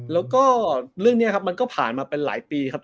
แล้วก็เรื่องนี้ครับมันก็ผ่านมาเป็นหลายปีครับ